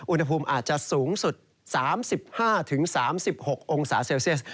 อุณหภูมิอาจจะสูงสุด๓๕๓๖องศาเซลเซียส